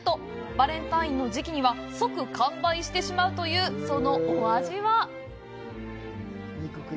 バレンタインの時期には即完売してしまうという、そのお味は？